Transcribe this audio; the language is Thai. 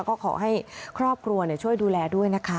ก็ขอให้ครอบครัวช่วยดูแลด้วยนะคะ